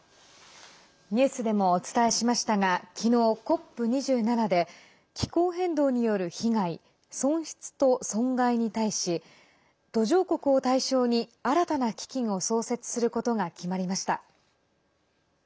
ニュースでもお伝えしましたが昨日、ＣＯＰ２７で気候変動による被害「損失と損害」に対し途上国を対象に新たな基金を創設することが決まりました。